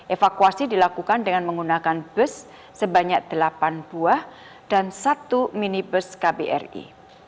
evakuasi dilakukan dengan menggunakan bus sebanyak delapan buah dan satu minibus kbri